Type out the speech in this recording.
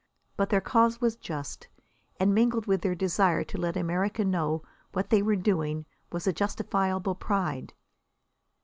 But their cause was just, and mingled with their desire to let America know what they were doing was a justifiable pride.